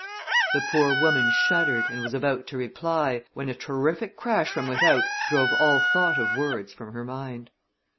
The poor woman shuddered and was about to reply, when a terrific crash from without drove all thought of words from her mind.